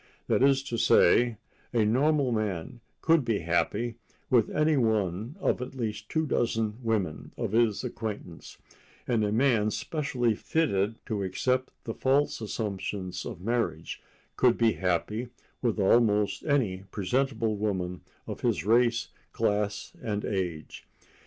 That is to say, a normal man could be happy with any one of at least two dozen women of his acquaintance, and a man specially fitted to accept the false assumptions of marriage could be happy with almost any presentable woman of his race, class and age.